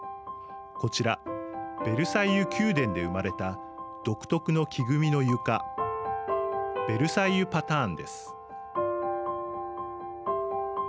こちらベルサイユ宮殿で生まれた独特の木組みの床ベルサイユ・パターンです。